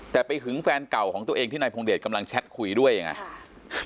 แต่ไปหึงแฟนเก่าของตัวเองที่นายพงเดชกำลังแชทคุยด้วยยังไง